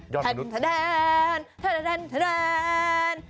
ยอดมนุษย์